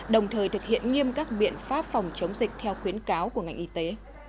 đồng thời thực hiện nghiêm các biện pháp phòng chống dịch theo khuyến cáo của ngành y tế